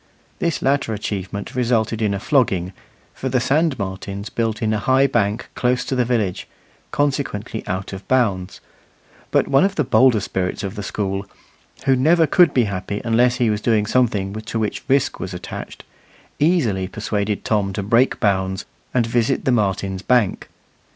This latter achievement resulted in a flogging, for the sand martins built in a high bank close to the village, consequently out of bounds; but one of the bolder spirits of the school, who never could be happy unless he was doing something to which risk was attached, easily persuaded Tom to break bounds and visit the martins' bank.